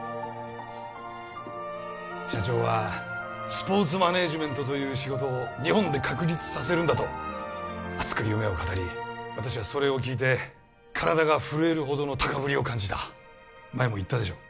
社長はスポーツマネージメントという仕事を日本で確立させるんだと熱く夢を語り私はそれを聞いて体が震えるほどの高ぶりを感じた前も言ったでしょ